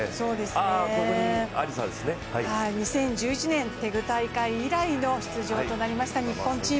２０１１年テグ大会以来の出場となりました。